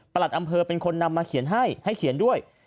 อำเภอเป็นคนนำมาเขียนให้ให้เขียนด้วย